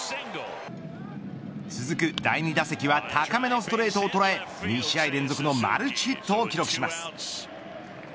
続く第２打席は高めのストレートを捉え２試合連続のマルチヒットを記録します。